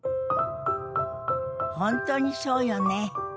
本当にそうよね。